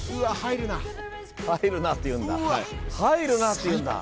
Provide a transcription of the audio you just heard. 「入るな」って言うんだ。